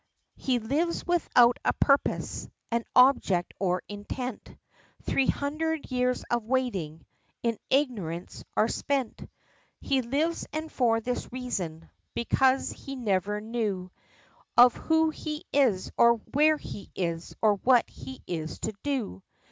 He lives without a purpose, an object or intent, Three hundred years of waiting, in ignorance are spent, He lives; and for this reason, because he never knew, Of who he is, or where he is, or what he is to do!